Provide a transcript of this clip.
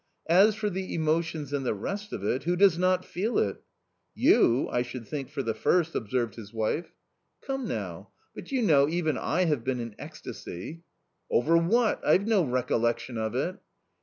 " As for the emotions and the rest of it — who does not feel it?" " You, I should think for the first !" observed his wife. A COMMON STORY 159 " Come, now ! But you know even I have been in ecstasy." " Over what ? I've no recollection of it."